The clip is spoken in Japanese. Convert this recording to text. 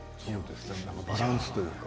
バランスというか。